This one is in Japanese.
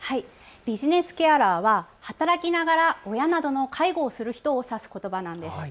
ビジネスケアラーは働きながら親などの介護をする人を指すことばなんです。